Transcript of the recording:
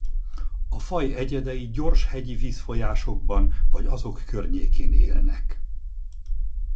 A faj egyedei gyors hegyi vízfolyásokban vagy azok környékén élnek.